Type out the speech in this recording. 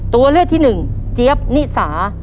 ตัวเลือกที่หนึ่งเจี๊ยบนิสา